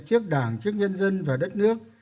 trước đảng trước nhân dân và đất nước